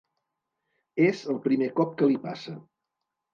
És el primer cop que li passa.